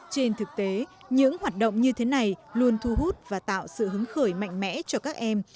trên thực tế những hoạt động như thế này luôn thu hút và tạo sự hứng khởi mạnh mẽ cho các em